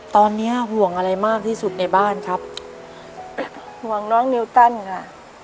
ตอนนี้ห่วงอะไรมากที่สุดในบ้านครับห่วงน้องนิวตันค่ะ